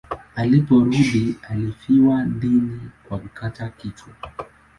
Aliporudi alifia dini kwa kukatwa kichwa.